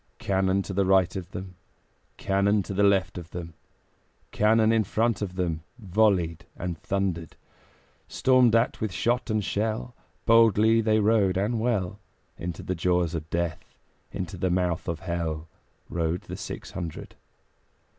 Cannon to right of them, Cannon to left of them, Cannon in front of them Volleyed and thundered. Stormed at with shot and shell, Boldly they rode and well; Into the jaws of Death, Into the mouth of Hell, Rode the six hundred.